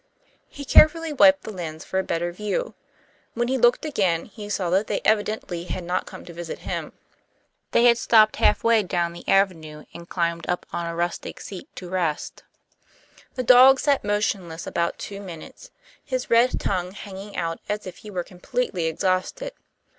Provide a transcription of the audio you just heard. He carefully wiped the lens for a better view. When he looked again he saw that they evidently had not come to visit him. They had stopped half way down the avenue, and climbed up on a rustic seat to rest. The dog sat motionless about two minutes, his red tongue hanging out as if he were completely exhausted.